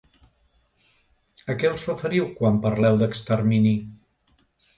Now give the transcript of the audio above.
A què us referiu quan parleu d’extermini?